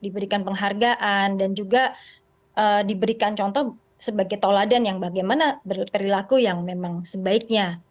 diberikan penghargaan dan juga diberikan contoh sebagai toladan yang bagaimana perilaku yang memang sebaiknya